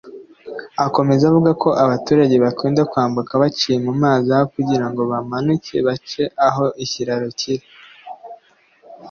Akomeza avuga ko abaturage bakunda kwambuka baciye mu mazi aho kugirango bamanuke bace aho ikiriraro kiri